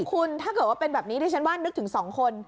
คุณถ้าเกิดว่าเป็นแบบนี้ดิฉันว่านึกถึง๒คน